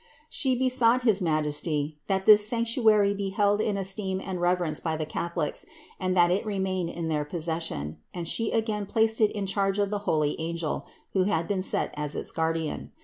She besought his Majesty, that this sanc tuary be held in esteem and reverence by the Catholics and that it remain in their possession; and She again placed it in charge of the holy angel, who had been set as its guardian.